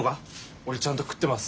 俺ちゃんと食ってます。